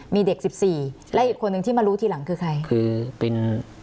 มีเด็กสิบสี่และอีกคนนึงที่มารู้ทีหลังคือใครคือเป็น